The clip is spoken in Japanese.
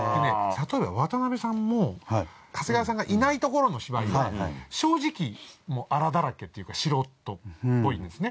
例えば渡辺さんも長谷川さんがいないところの芝居は正直粗だらけっていうか素人っぽいんですね。